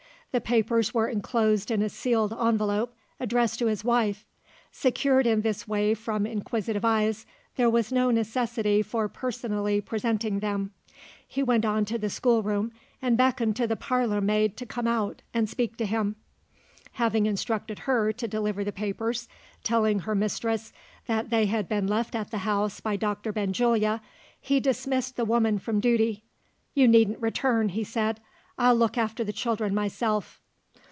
The papers were enclosed in a sealed envelope, addressed to his wife. Secured in this way from inquisitive eyes, there was no necessity for personally presenting them. He went on to the schoolroom, and beckoned to the parlour maid to come out, and speak to him. Having instructed her to deliver the papers telling her mistress that they had been left at the house by Doctor Benjulia he dismissed the woman from duty. "You needn't return," he said; "I'll look after the children myself."